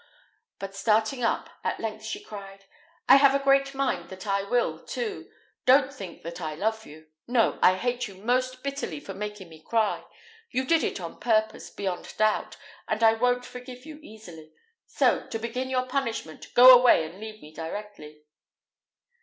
But starting up, at length she cried, "I have a great mind that I will, too. Don't think that I love you. No, I hate you most bitterly for making me cry: you did it on purpose, beyond doubt, and I won't forgive you easily. So, to begin your punishment, go away and leave me directly."